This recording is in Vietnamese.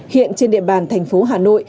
hiện trên địa bàn thành phố hà nội